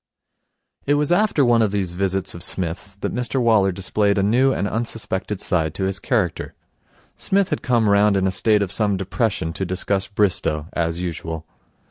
It was after one of these visits of Psmith's that Mr Waller displayed a new and unsuspected side to his character. Psmith had come round in a state of some depression to discuss Bristow, as usual.